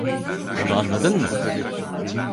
Bunu anladın mı?